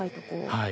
はい。